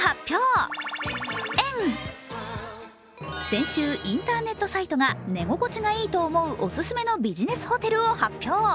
先週インターネットサイトが寝心地がいいと思うお勧めのビジネスホテルを発表。